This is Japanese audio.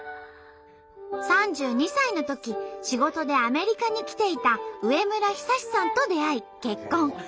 ３２歳のとき仕事でアメリカに来ていた植村久さんと出会い結婚。